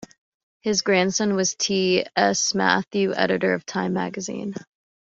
His grandson was T. S. Matthews, editor of "Time" magazine.